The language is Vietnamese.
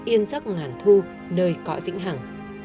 yên giấc ngàn thu nơi cõi vĩnh hẳng